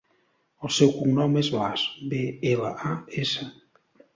El seu cognom és Blas: be, ela, a, essa.